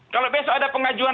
kalau besok ada pengajuan